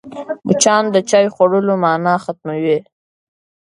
مچان د چايو خوړلو مانا ختموي